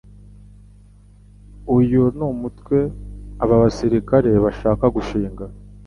Uyu nu mutwe aba basirikare bashaka gushinga